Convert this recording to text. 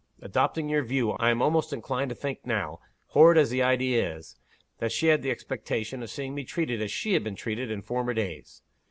Adopting your view, I am almost inclined to think now, horrid as the idea is, that she had the expectation of seeing me treated as she had been treated in former days.